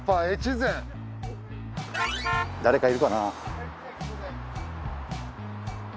誰かいるかな？